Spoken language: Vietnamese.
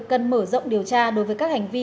cần mở rộng điều tra đối với các hành vi